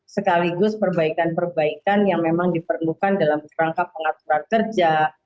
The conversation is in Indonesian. sekaligus perbaikan perbaikan yang memang diperlukan dalam rangka pengaturan kerja